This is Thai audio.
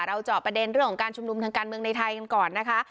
เจาะประเด็นเรื่องของการชุมนุมทางการเมืองในไทยกันก่อนนะคะ